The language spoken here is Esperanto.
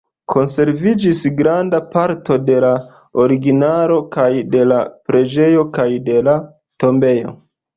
Konserviĝis granda parto de la originalo kaj de la preĝejo kaj de la tombejo.